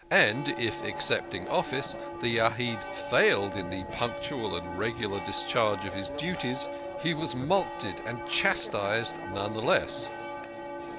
And if, accepting office, the Yahid failed in the punctual and regular discharge of his duties, he was mulcted and chastised none the less.